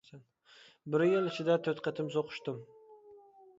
بىر يىل ئىچىدە تۆت قېتىم سوقۇشتۇم.